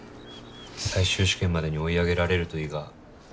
最終試験までに追い上げられるといいが。